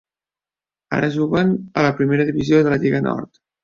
Ara juguen a la Primera Divisió de la Lliga Nord.